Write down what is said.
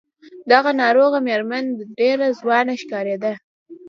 دغه ناروغه مېرمن ډېره ځوانه ښکارېده.